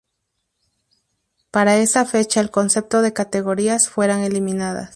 Para esa fecha el concepto de categorías fueran eliminadas.